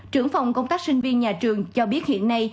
trưởng phòng công tác sinh viên nhà trường cho biết hiện nay